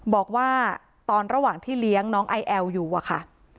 บอกว่าตอนระหว่างที่เลี้ยงน้องไอแอลอยู่อะค่ะ